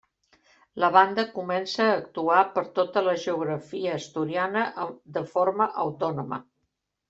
La banda comença a actuar per tota la geografia asturiana de forma autònoma.